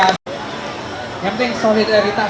yang penting solidaritas